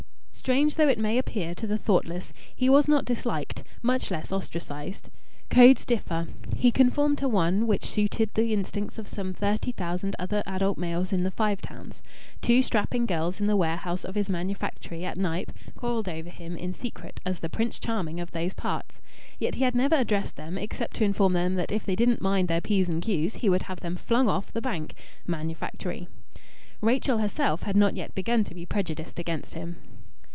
Strange though it may appear to the thoughtless, he was not disliked much less ostracised. Codes differ. He conformed to one which suited the instincts of some thirty thousand other adult males in the Five Towns. Two strapping girls in the warehouse of his manufactory at Knype quarrelled over him in secret as the Prince Charming of those parts. Yet he had never addressed them except to inform them that if they didn't mind their p's and q's he would have them flung off the "bank" [manufactory]. Rachel herself had not yet begun to be prejudiced against him.